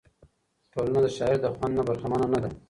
ټولنه د شاعر د خوند نه برخمنه نه ده.